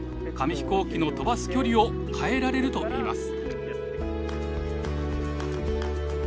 飛行機の飛ばす距離を変えられるといいます。